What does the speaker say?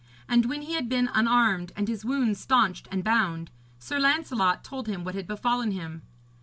And when he had been unarmed and his wounds stanched and bound, Sir Lancelot told him what had befallen him.